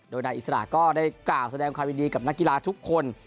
โดยนายอิสระก็ได้กล่าวแสดงความยินดีกับนักกีฬาทุกคน